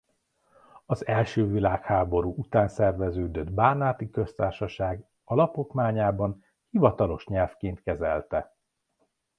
Az első világháború után szerveződött Bánáti Köztársaság alapokmányában hivatalos nyelvként kezelte.